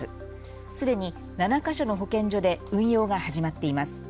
すでに７か所の保健所で運用が始まっています。